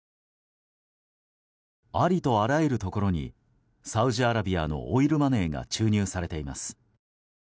ありとあらゆるところにサウジアラビアのオイルマネーが注入されています。